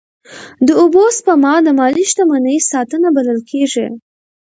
د اوبو سپما د ملي شتمنۍ ساتنه بلل کېږي.